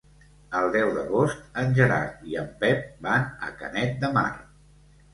El deu d'agost en Gerard i en Pep van a Canet de Mar.